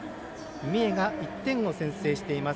三重が１点を先制しています。